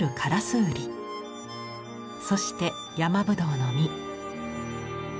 そして山ぶどうの実。